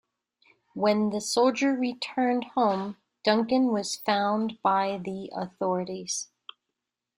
When the soldier returned home, Duncan was found by the authorities.